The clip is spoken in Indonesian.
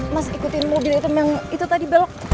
mas ikutin mobil itu tadi belok